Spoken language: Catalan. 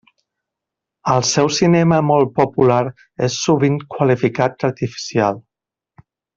El seu cinema molt popular és sovint qualificat d'artificial.